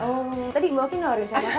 oh tadi mbak oki gak lupa ya misalnya kan